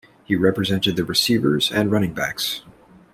He represented the receivers and running backs.